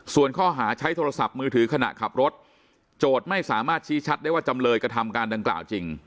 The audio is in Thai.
ส่วนข้อหาใช้โทรศัพท์มือถือขณะขับรถโจทย์ไม่สามารถชี้ชัดได้ว่าจำเลยกระทำการดังกล่าวจริง